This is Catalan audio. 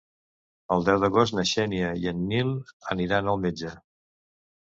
El deu d'agost na Xènia i en Nil aniran al metge.